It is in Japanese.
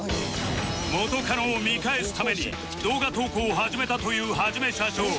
元カノを見返すために動画投稿を始めたというはじめしゃちょー